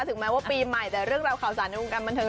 ถึงแม้ว่าปีใหม่แต่เรื่องราวข่าวสารในวงการบันเทิง